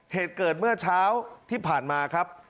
เหตุเกิดเมื่อเช้าที่ผ่านมาครับ